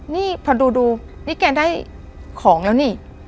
นี่พอดูนี่แกได้ของแล้วนี่